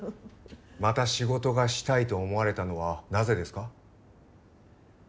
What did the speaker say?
また仕事がしたいと思われたのはなぜですか？